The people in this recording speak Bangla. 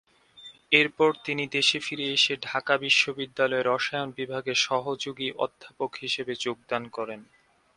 এরপর তিনি দেশে ফিরে এসে ঢাকা বিশ্ববিদ্যালয়ে রসায়ন বিভাগে সহযোগী অধ্যাপক হিসেবে যোগদান করেন।